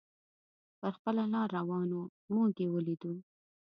پر خپله لار روان و، موږ یې ولیدو.